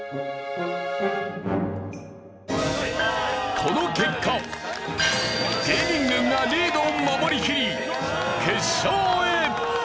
この結果芸人軍がリードを守りきり決勝へ。